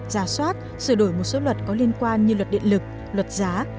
giả soát sửa đổi một số luật có liên quan như luật điện lực luật giá